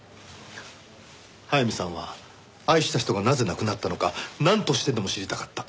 早見さんは愛した人がなぜ亡くなったのかなんとしてでも知りたかった。